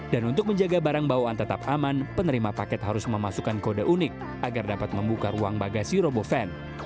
dan untuk menjaga barang bawaan tetap aman penerima paket harus memasukkan kode unik agar dapat membuka ruang bagasi robovan